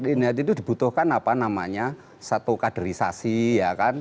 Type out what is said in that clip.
itu dibutuhkan apa namanya satu kaderisasi ya kan